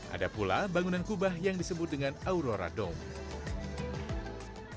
ada pula bangunan kubah yang disebut dengan aurora dongeng